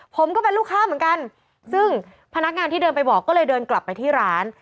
ผมก็เป็นลูกค้าเหมือนกันซึ่งพนักงานที่เดินไปบอกก็เลยเดินกลับไปที่ร้าน